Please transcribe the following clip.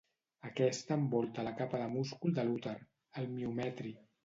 Aquesta envolta la capa de múscul de l'úter, el miometri.